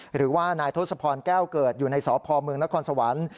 หรือว่านายทศพรแก้วเกิดอยู่ในสพเมืองนครสวรรค์